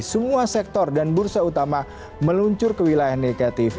semua sektor dan bursa utama meluncur ke wilayah negatif